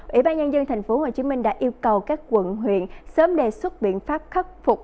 ủy ban nhân dân tp hcm đã yêu cầu các quận huyện sớm đề xuất biện pháp khắc phục